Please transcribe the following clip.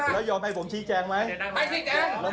ให้พยาบาลคนที่พูดกับน้องเขามาเลยมา